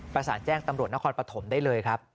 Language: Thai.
แจ้งตำรวจนครปฐมได้เลยครับ